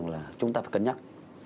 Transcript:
là chúng ta phải cân nhắc